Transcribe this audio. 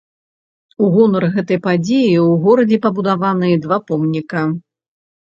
У гонар гэтай падзеі ў горадзе пабудаваныя два помніка.